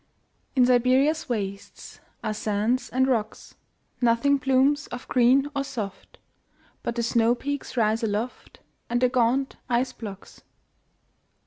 In Siberia's wastesAre sands and rocks. Nothing blooms of green or soft, But the snowpeaks rise aloftAnd the gaunt ice blocks.